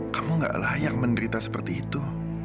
kamu gak layak menderita seperti itu